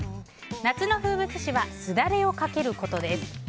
夏の風物詩はすだれをかけることです。